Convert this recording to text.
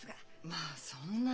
まあそんな。